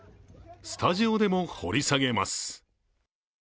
スタジオでも掘り下げます。